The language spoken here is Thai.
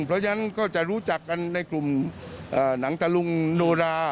เพราะฉะนั้นก็จะรู้จักกันในกลุ่มหนังตะลุงโนรา